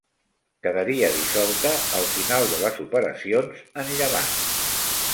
Quedaria dissolta al final de les operacions en Llevant.